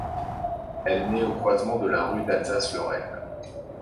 Elle naît au croisement de la rue d'Alsace-Lorraine.